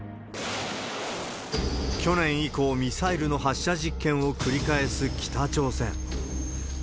去年以降、ミサイルの発射実験を繰り返す北朝鮮。